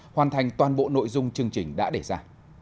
hoàn thành toàn bộ nội dung chương trình đã đề ra